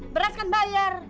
beras kan bayar